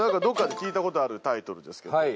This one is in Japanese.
どこかで聞いたことあるタイトルですけど。